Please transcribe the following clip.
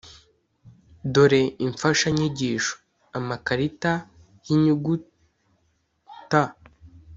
dore imfashanyigisho: amakarita y’inyugut